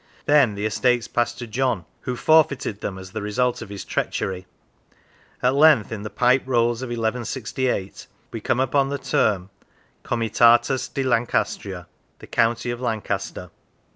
Then the estates passed to John, who forfeited them as the result of his treachery. At length, in the Pipe Rolls of 1168 we come upon the term Comitatus de Lancastria the County of Lan caster.